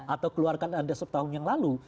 atau keluarkan anda sepuluh tahun yang lalu